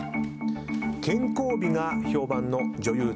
健康美が評判の女優